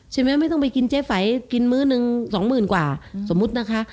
ใช่มั้ยไม่ต้องไปกินเจฝัยกินมื้อนึง๒หมื่นกว่าสมมุตินะคะ